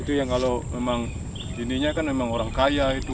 itu yang kalau memang jadinya kan memang orang kaya itu punya duit